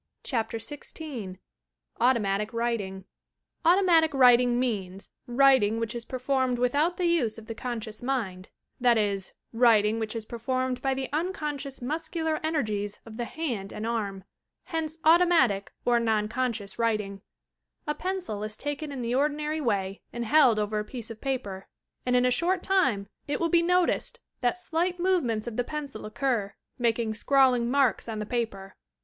CHAPTER XVI AUTOMATIC WRITING i Automatic writing means writing which is performed without the use of the conscious miad, that is, writing which is performed by the unconscious muscular ener gies of the hand and arm; hence automatic or non conscious writing, A pencil is taken in the ordinary way and held over a piece of paper, and in a short time it wilt be noticed that slight movements of the pencil occur, making scrawling marks on the paper.